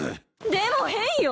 でも変よ！